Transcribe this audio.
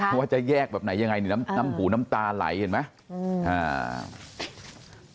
ว่าจะแยกแบบไหนยังไงนี่น้ำหูน้ำตาไหลเห็นไหม